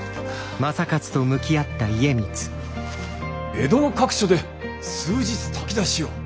江戸の各所で数日炊き出しを。